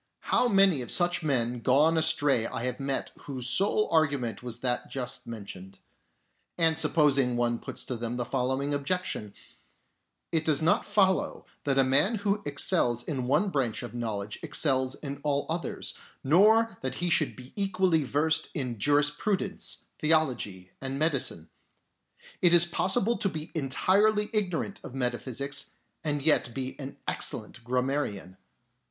How many of such men gone astray I have met whose sole argument was that just mentioned. And supposing one puts to them the following objection : "It does not follow that a man who excels in one branch of know ledge excels in all others, nor that he should be "APES OF UNBELIEF" 29 equally versed in jurisprudence, theology, and medicine. It is possible to be entirely ignorant of metaphysics, and yet to be an excellent gram marian.